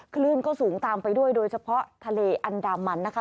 คลื่นก็สูงตามไปด้วยโดยเฉพาะทะเลอันดามันนะคะ